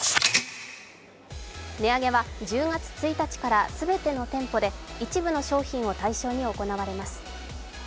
値上げは１０月１日から全ての店舗で一部の商品を対象に行われます。